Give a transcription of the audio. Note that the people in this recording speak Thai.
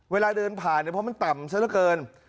เวลาเดินผ่านเพราะมันต่ำซะเท่าเกิน